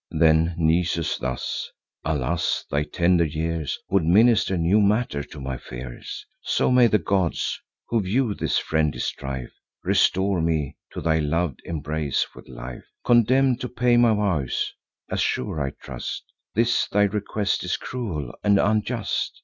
Then Nisus thus: "Alas! thy tender years Would minister new matter to my fears. So may the gods, who view this friendly strife, Restore me to thy lov'd embrace with life, Condemn'd to pay my vows, (as sure I trust,) This thy request is cruel and unjust.